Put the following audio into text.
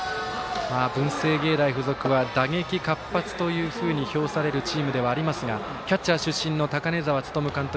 文星芸大付属は打撃活発というふうに評されるチームではありますがキャッチャー出身の高根澤力監督